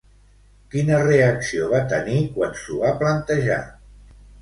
Quina reacció va tenir quan s'ho va plantejar?